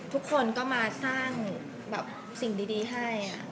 ทุกคนก็มาสร้างสิ่งดีให้